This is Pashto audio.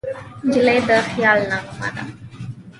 نجلۍ د خیال نغمه ده.